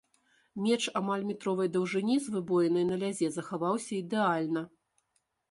Меч амаль метровай даўжыні з выбоінай на лязе захаваўся ідэальна.